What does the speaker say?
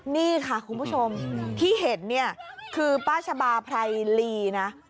นี่ค่ะคุณผู้ชมที่เห็นเนี่ยคือป้าชะบาไพรลีนะ